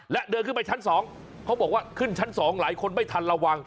และเดินขึ้นไปชั้น๒เขาบอกว่าขึ้นชั้น๒หลายคนไม่ทันระวัง